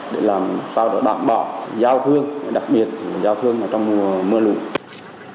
để làm sao để bảo đảm bảo giao thương đặc biệt là giao thương trong mưa lụi